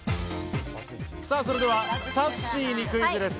それではさっしーにクイズです。